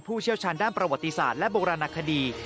เชี่ยวชาญด้านประวัติศาสตร์และโบราณคดี